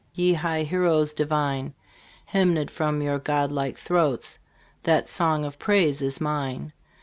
Ye high heroes divine, Hymned from your god like throats That song of praise is mine